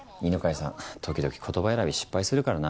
さん時々言葉選び失敗するからな。